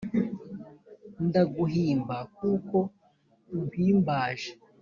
ndaguhimba kuko umpimbaje